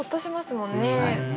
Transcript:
もんね